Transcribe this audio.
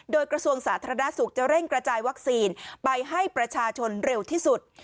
โดยกระทรวงสาธารณสุขจะเร่งกระจายวัคซีนไปให้ประชาชนเร็วที่สุด